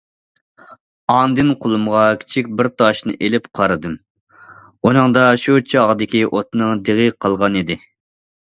ئاندىن قولۇمغا كىچىك بىر تاشنى ئېلىپ قارىدىم، ئۇنىڭدا شۇ چاغدىكى ئوتنىڭ دېغى قالغانىدى.